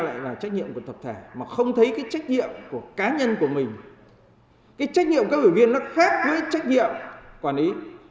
lại là trách nhiệm của tập thể mà không thấy cái trách nhiệm của cá nhân của mình cái trách nhiệm của cấp ủy viên nó khác với trách nhiệm quản lý